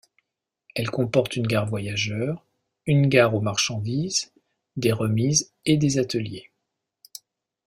Elle comporte une gare voyageurs, une gare aux marchandises, des remises et des ateliers.